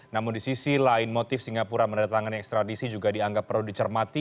namun di sisi lain motif singapura menandatangani ekstradisi juga dianggap perlu dicermati